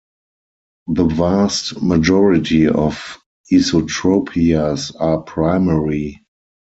The vast majority of esotropias are primary.